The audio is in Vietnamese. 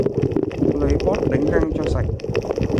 Lấy bót đánh răng cho sạch